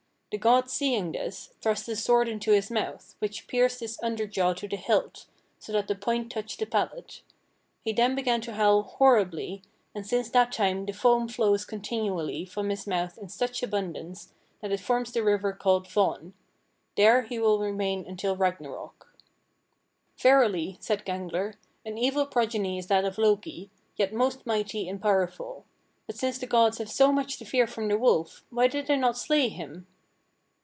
The gods seeing this, thrust a sword into his mouth, which pierced his under jaw to the hilt, so that the point touched the palate. He then began to howl horribly, and since that time the foam flows continually from his mouth in such abundance that it forms the river called Von. There will he remain until Ragnarok." "Verily," said Gangler, "an evil progeny is that of Loki, yet most mighty and powerful; but since the gods have so much to fear from the wolf, why did they not slay him?"